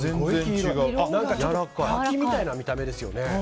ちょっと柿みたいな見た目ですよね。